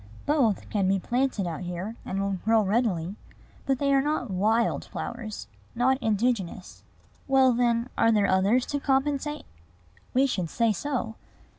Both can be planted out here, and will grow readily; but they are not wild flowers, not indigenous. "Well, then, are there others to compensate?" We should say so.